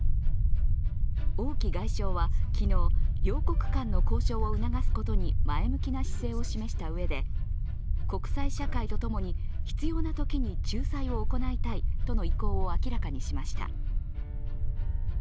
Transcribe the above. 王毅外相は、昨日、両国間の交渉を促すことに前向きな姿勢を示したうえで国際社会とともに必要なときに仲裁を行いたいとの意向を明らかにしました。